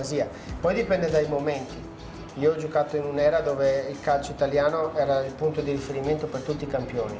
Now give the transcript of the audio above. saya pernah bermain di era di mana sepak bola di italia adalah titik pertarungan untuk semua pemenang